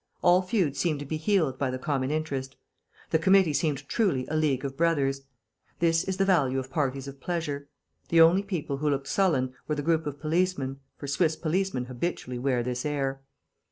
All feuds seemed to be healed by the common interest. The committee seemed truly a League of Brothers. This is the value of parties of pleasure. The only people who looked sullen were the group of policemen, for Swiss policemen habitually wear this air.